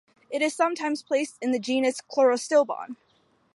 It is sometimes placed in the genus "Chlorostilbon".